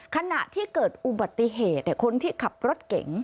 ขณะที่เกิดอุบัติเหตุคนที่ขับรถเก๋ง